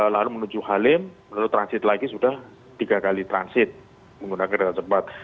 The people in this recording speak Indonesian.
lalu menuju halim menuju transit lagi sudah tiga kali transit menggunakan kereta cepat